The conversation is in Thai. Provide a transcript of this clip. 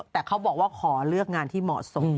แต่เขาบอกว่าขอเลือกงานที่เหมาะสม